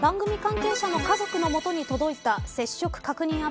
番組関係者の家族のもとに届いた接触確認